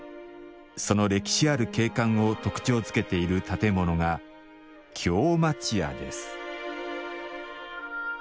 その歴史ある景観を特徴づけている建物が「京町家」です。